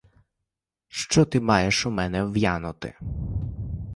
Що ти маєш у мене в'янути?